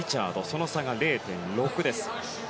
その差が０．６です。